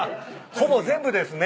ほぼ全部ですね。